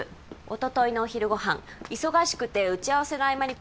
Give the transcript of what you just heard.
おとといのお昼ご飯「忙しくて打ち合わせの合間に」